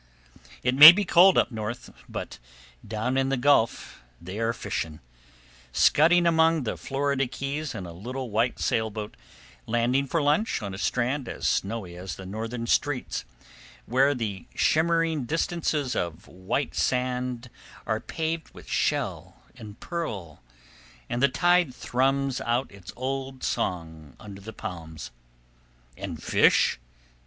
It may be cold up North, but down in the Gulf they are fishing scudding among the Florida Keys in a little white sailboat, landing for lunch on a strand as snowy as the northern streets, where the shimmering distances of white sand are paved with shell and pearl, and the tide thrums out its old song under the palms. And fish?